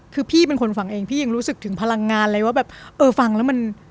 คือพี่เป็นคนฟังเองพี่ยังรู้สึกถึงพลังงานเลยว่าแบบเออฟังแล้วมัน